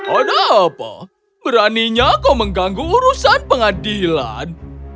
ada apa beraninya kau mengganggu urusan pengadilan